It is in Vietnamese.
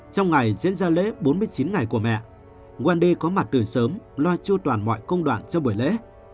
trong ngày diễn ra lễ bốn mươi chín ngày của mẹ gandhi có mặt từ sớm loa chua toàn mọi công đoạn cho buổi lễ